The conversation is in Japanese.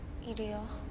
いるよ。